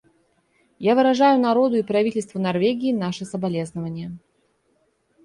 Я выражаю народу и правительству Норвегии наши соболезнования.